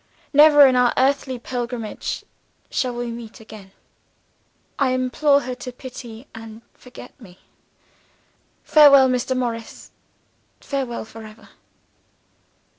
Never, in our earthly pilgrimage, shall we meet again I implore her to pity and forget me. Farewell, Mr. Morris; farewell forever.